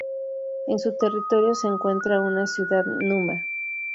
En su territorio se encuentra una ciudad, Numa.